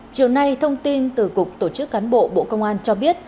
chiều nay thông tin từ cục tổ chức cán bộ bộ công an cho biết